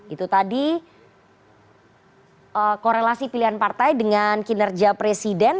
itu tadi korelasi pilihan partai dengan kinerja presiden